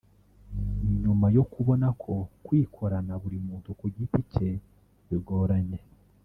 nyuma yo kubona ko kwikorana buri muntu ku giti cye bigoranye